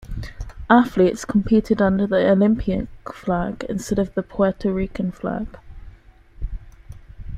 Athletes competed under the Olympic Flag instead of Puerto Rican flag.